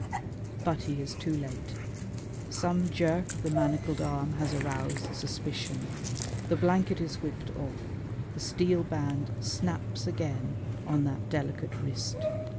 But he is too late. Some jerk of the manacled arm has aroused suspicion. The blanket is whipped off. The steel band snaps again on that delicate wrist.